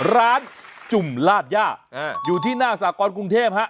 จุ่มลาดย่าอยู่ที่หน้าสากรกรุงเทพฮะ